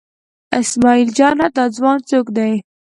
اسمعیل جانه دا ځوان څوک دی؟